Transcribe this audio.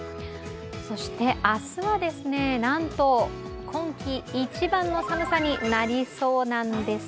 明日は、なんと今季一番の寒さになりそうなんです。